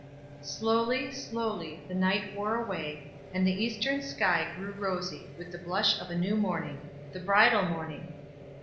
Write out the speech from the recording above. Slowly, slowly, the night wore away, and the eastern sky grew rosy with the blush of a new morning the bridal morning!